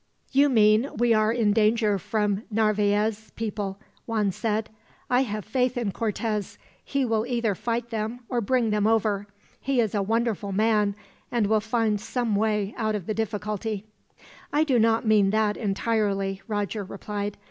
"You mean we are in danger from Narvaez' people," Juan said. "I have faith in Cortez. He will either fight them or bring them over. He is a wonderful man, and will find some way out of the difficulty." "I do not mean that, entirely," Roger replied.